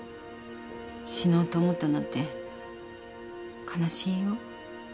死のうと思ったなんて悲しいよ。